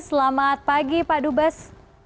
selamat pagi pak dubas